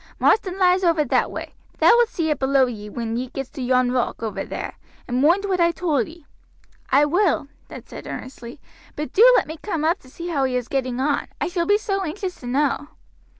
Marsden lies over that way; thou wilt see it below ye when ye gets to yon rock over there; and moind what I told ee." "I will," Ned said earnestly; "but do let me come up to see how he is getting on, I shall be so anxious to know."